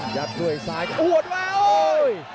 จับด้วยซ้ายโอ้โหดูว่าโอ้ย